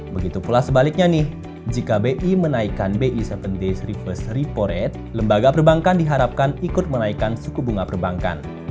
begitu pula sebaliknya nih jika bi menaikkan bi tujuh days reverse repo rate lembaga perbankan diharapkan ikut menaikkan suku bunga perbankan